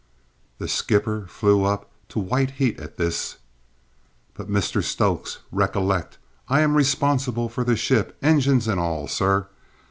The skipper flew up to white heat at this. "But, Mr Stokes, recollect I am responsible for the ship, engines and all, sir.